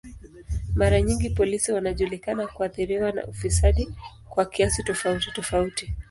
Mara nyingi polisi wanajulikana kuathiriwa na ufisadi kwa kiasi tofauti tofauti.